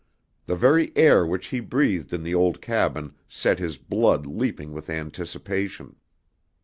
The very air which he breathed in the old cabin set his blood leaping with anticipation.